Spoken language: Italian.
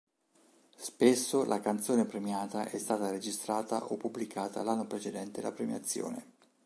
Spesso la canzone premiata è stata registrata o pubblicata l'anno precedente la premiazione.